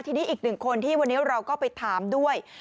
ทีนี้อีกหนึ่งคนที่วันนี้เราก็ไปถามด้วย